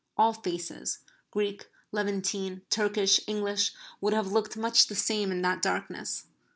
All faces Greek, Levantine, Turkish, English would have looked much the same in that darkness.